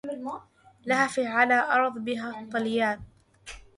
لهفي على أرض بها الطليان